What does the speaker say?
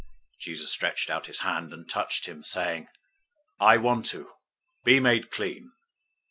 008:003 Jesus stretched out his hand, and touched him, saying, "I want to. Be made clean."